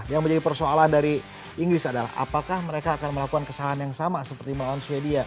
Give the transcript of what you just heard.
yang menjadi persoalan dari inggris adalah apakah mereka akan melakukan kesalahan yang sama seperti melawan sweden